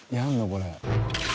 これ。